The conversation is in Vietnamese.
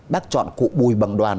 bác chọn cụ bùi bằng đoàn